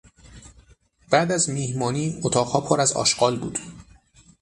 بعد از مهمانی اتاقها پر از آشغال بود.